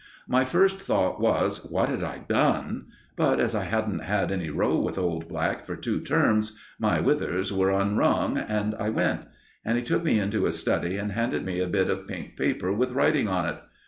My first thought was what had I done? But as I hadn't had any row with old Black for two terms, my "withers were unwrung," and I went; and he took me into his study, and handed me a bit of pink paper with writing on it.